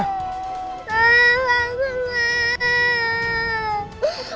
nia bangun nia